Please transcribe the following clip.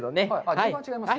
順番は違いますね。